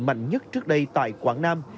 mạnh nhất trước đây tại quảng nam